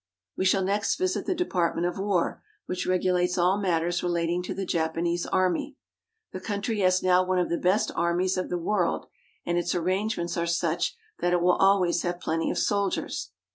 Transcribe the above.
We shall next visit the Department of War which reg ulates all matters relating to the Japanese army. The country has now one of the best armies of the world, and its arrangements are such that it will always have plenty of soldiers.